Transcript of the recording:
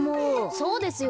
そうですよ。